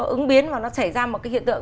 ứng biến và nó xảy ra một cái hiện tượng